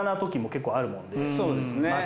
そうですね。